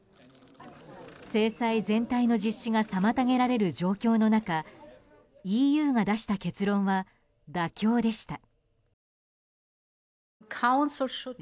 制裁全体の実施が妨げられる状況の中ＥＵが出した結論は妥協でした。